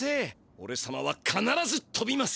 おれさまはかならずとびます。